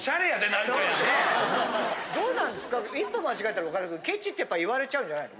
どうなんですか一歩間違えたら岡田君ケチってやっぱり言われちゃうんじゃないの？